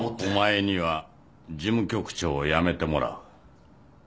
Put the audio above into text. お前には事務局長をやめてもらう。